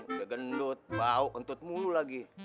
udah gendut bau gentut mulu lagi